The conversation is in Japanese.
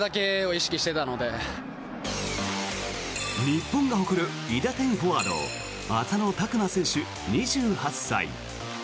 日本が誇る韋駄天フォワード浅野拓磨選手、２８歳。